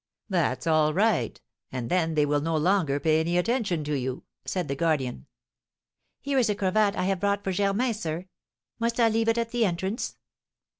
"That's all right, and then they will no longer pay any attention to you," said the guardian. "Here is a cravat I have brought for Germain, sir," said Rigolette. "Must I leave it at the entrance?"